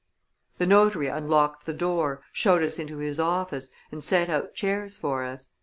The notary unlocked the door, showed us into his office, and set out chairs for us.